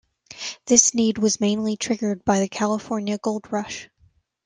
This need was mainly triggered by the California Gold Rush.